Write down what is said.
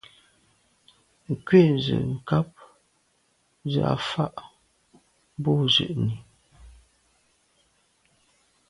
Nkwé ze nkàb zə̄ à fâ’ bû zə̀’nì.